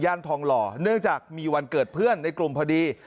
ทองหล่อเนื่องจากมีวันเกิดเพื่อนในกลุ่มพอดี